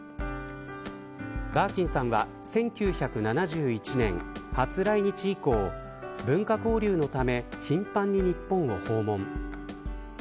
バーキンさんは１９７１年初来日以降文化交流のため頻繁に日本を訪問。